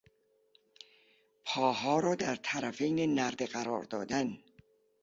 پاها را در طرفین نرده قرار دادن